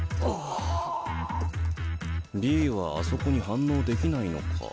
Ｂはあそこに反応できないのか。